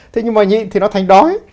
thế nhưng mà nhịn thì nó thành đói